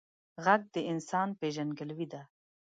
غږ د انسان پیژندګلوي ده